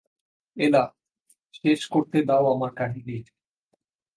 এলা, শেষ করতে দাও আমার কাহিনী।